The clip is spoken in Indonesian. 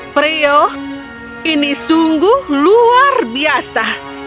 freo ini sungguh luar biasa